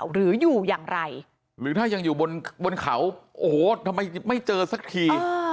หรืออยู่อย่างไรหรือถ้ายังอยู่บนเขาโอ้โหทำไมไม่เจอสักที